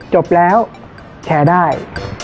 จบแล้วแชร์ได้